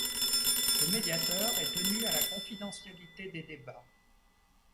Le médiateur est tenu à la confidentialité des débats.